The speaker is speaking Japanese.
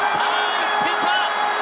１点差！